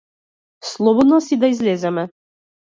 Слободна си да излеземе?